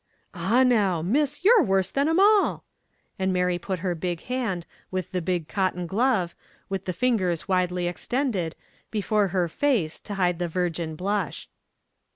"Ah now! Miss, you're worse than 'em all!" and Mary put her big hand with the big cotton glove, with the fingers widely extended, before her face to hide the virgin blush.